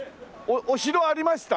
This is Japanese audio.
お城ありました？